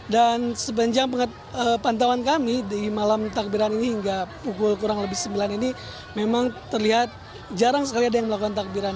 dan sepanjang pantauan kami di malam takbiran ini hingga pukul kurang lebih sembilan ini memang terlihat jarang sekali ada yang melakukan takbiran